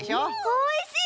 おいしい！